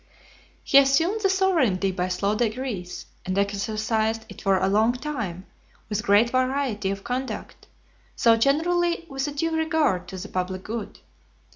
XXXIII. He assumed the sovereignty by slow degrees, and exercised it for a long time with great variety of conduct, though generally with a due regard to the public good.